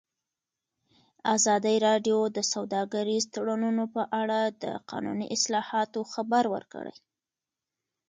ازادي راډیو د سوداګریز تړونونه په اړه د قانوني اصلاحاتو خبر ورکړی.